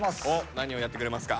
何をやってくれますか？